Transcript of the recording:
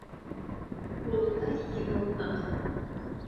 Ҡулында ике мылтыҡ.